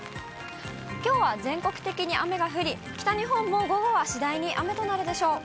きょうは全国的に雨が降り、北日本も午後は次第に雨となるでしょう。